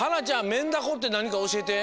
メンダコってなにかおしえて。